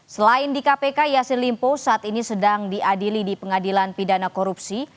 selain di kpk yassin limpo saat ini sedang diadili di pengadilan pidana korupsi